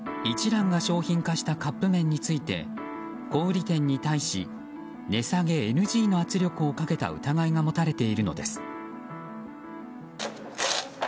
一蘭が商品化したカップ麺について、小売店に対し値下げＮＧの圧力をかけた疑いが持たれているのです。